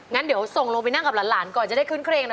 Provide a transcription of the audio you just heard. งั้นเดี๋ยวส่งลงไปนั่งกับหลานก่อนจะได้ขึ้นเครงนะ